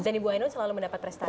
dan ibu ainun selalu mendapat prestasi